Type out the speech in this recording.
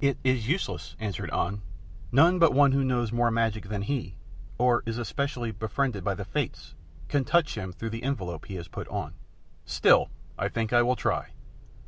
"It is useless," answered An; "none but one who knows more magic than he, or is especially befriended by the Fates can touch him through the envelope he has put on." "Still, I think I will try."